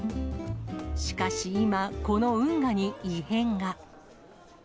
しかし今、この運河に異変が。